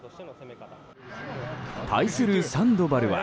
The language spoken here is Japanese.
対するサンドバルは。